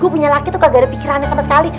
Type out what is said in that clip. gue punya laki tuh gak ada pikirannya sama sekali